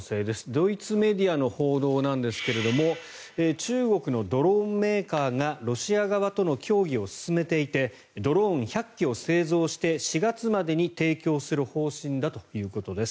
ドイツメディアの報道なんですが中国のドローンメーカーがロシア側との協議を進めていてドローン１００機を製造して４月までに提供する方針だということです。